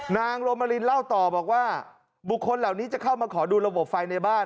นางโรมารินเล่าต่อบอกว่าบุคคลเหล่านี้จะเข้ามาขอดูระบบไฟในบ้าน